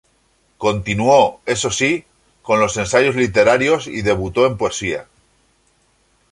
Continuó, eso sí, con los ensayos literarios y debutó en poesía.